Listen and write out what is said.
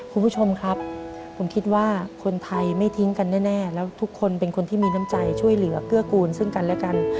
คุณผู้ชมครับผมคิดว่าคนไทยไม่ทิ้งกันแน่แล้วทุกคนเป็นคนที่มีน้ำใจช่วยเหลือเกื้อกูลซึ่งกันและกัน